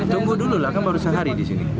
tunggu dulu lah kan baru sehari di sini